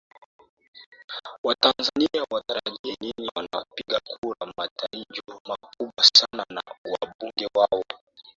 watanzania watarajie nini wapiga kura wana matarajio makubwa sana na wabunge wao